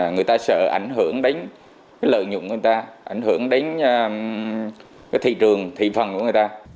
người ta sợ ảnh hưởng đến lợi nhuận của người ta ảnh hưởng đến thị trường thị phần của người ta